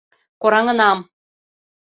— Кораҥынам.